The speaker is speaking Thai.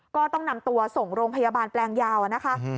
ก็ต้องนำตัวส่งโรงพยาบาลแปลงยาวนะคะ